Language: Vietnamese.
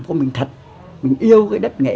của mình thật mình yêu cái đất nghệ